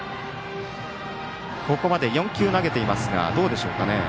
ここまで４球を投げていますがどうですかね。